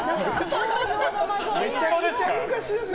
めちゃめちゃ昔ですよ？